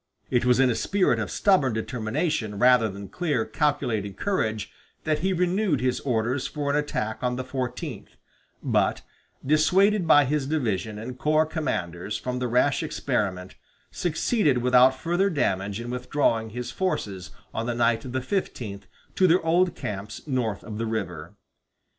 It was in a spirit of stubborn determination rather than clear, calculating courage that he renewed his orders for an attack on the fourteenth; but, dissuaded by his division and corps commanders from the rash experiment, succeeded without further damage in withdrawing his forces on the night of the fifteenth to their old camps north of the river.